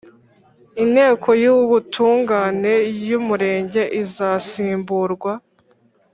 Inteko y Ubutungane y Umurenge izasimburwa